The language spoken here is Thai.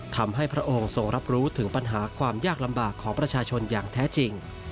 พระองค์ทรงรับรู้ถึงปัญหาความยากลำบากของประชาชนอย่างแท้จริง